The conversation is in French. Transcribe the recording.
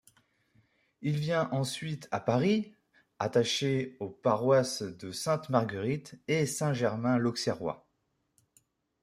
Il vient ensuite à Paris, attaché aux paroisses de Sainte-Marguerite et Saint-Germain-l'Auxerrois.